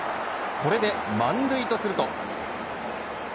これで満塁とすると。